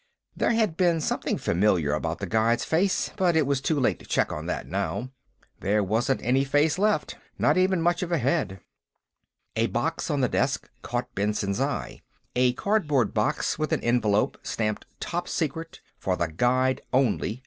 There had been something familiar about The Guide's face, but it was too late to check on that, now. There wasn't any face left; not even much head. A box, on the desk, caught Benson's eye, a cardboard box with an envelope, stamped _Top Secret! For the Guide Only!